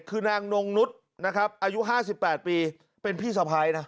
คือนางนงนุฏนะครับอายุห้าสิบแปดปีเป็นพี่สาวภายนะ